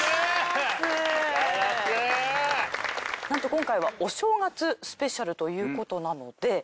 なんと今回はお正月スペシャルということなので。